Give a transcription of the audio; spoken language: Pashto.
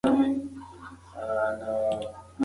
د مطالعې فرهنګ د افغانانو ترمنځ بدلون رامنځته کړي.